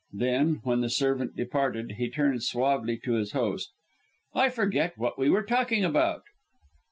Then, when the servant departed, he turned suavely to his host. "I forget what we were talking about."